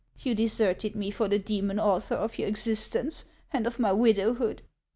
You deserted me for the demon author of your existence and of my widowhood.